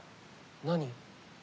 何？